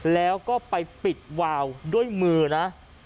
แล้วก็ไปปิดวาวด้วยมือนะ